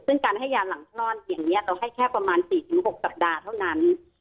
ซึ่งการให้ยาหลังคลอดอย่างนี้เราให้แค่ประมาณ๔๖สัปดาห์เท่านั้น